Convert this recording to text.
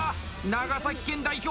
長崎県代表